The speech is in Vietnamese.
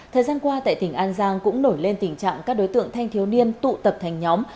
thời gian qua tại tỉnh an giang cũng nổi lên tình trạng các đối tượng thanh thiếu niên tụ tập thành nhóm